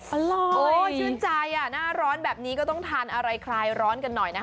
อร่อยชื่นใจหน้าร้อนแบบนี้ก็ต้องทานอะไรคลายร้อนกันหน่อยนะคะ